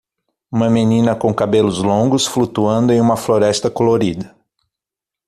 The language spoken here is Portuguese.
Uma menina com cabelos longos, flutuando em uma floresta colorida